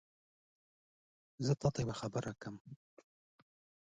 زه تاته یوه خبره کوم